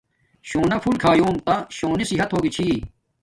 شونا پھول کھایوم تا شونی صحت ہوگی چھی